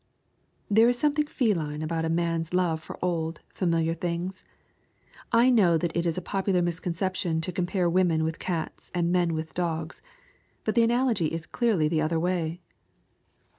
There is something feline about a man's love for old, familiar things. I know that it is a popular misconception to compare women with cats and men with dogs. But the analogy is clearly the other way.